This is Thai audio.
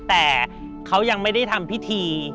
แต่เขายังไม่ได้ทำพิธี